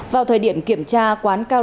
vào thời điểm kiểm tra quán karaoke linh anh